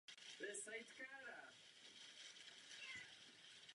Součástí zámku je také kostel Narození Panny Marie.